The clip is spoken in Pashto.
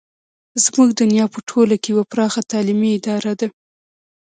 زموږ دنیا په ټوله کې یوه پراخه تعلیمي اداره ده.